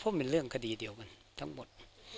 เพราะมันเรื่องคดีเดียวกันทั้งหมด